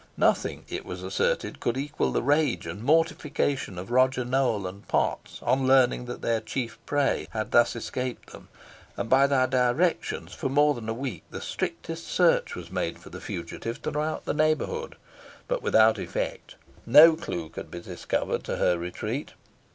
Nothing, it was asserted, could equal the rage and mortification of Roger Nowell and Potts, on learning that their chief prey had thus escaped them; and by their directions, for more than a week, the strictest search was made for the fugitive throughout the neighbourhood, but without effect no clue could be discovered to her retreat.